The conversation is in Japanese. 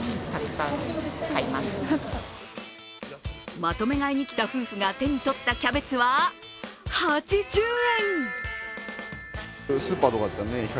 まとめ買いに来た夫婦が手に取ったキャベツは８０円。